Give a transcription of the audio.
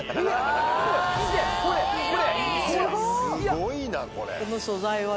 すごいなこれ。